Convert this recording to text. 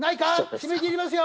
締め切りますよ！